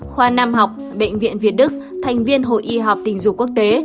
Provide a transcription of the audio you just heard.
khoa nam học bệnh viện việt đức thành viên hội y học tình dục quốc tế